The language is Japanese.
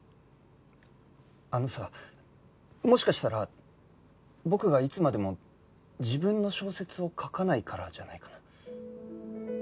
あのさもしかしたら僕がいつまでも自分の小説を書かないからじゃないかな？